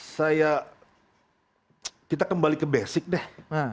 saya kita kembali ke basic deh